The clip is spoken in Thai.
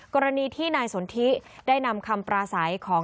กรณีที่นายสนทิได้นำคำปราศัยของ